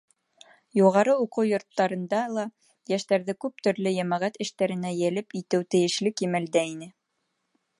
Юғары уҡыу йорттарында ла йәштәрҙе күп төрлө йәмәғәт эштәренә йәлеп итеү тейешле кимәлдә ине.